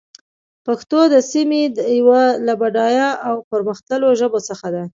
پښتو د سيمې يوه له بډايه او پرمختللو ژبو څخه ده.